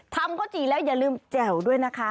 ทำข้าวจี่แล้วอย่าลืมแจ่วด้วยนะคะ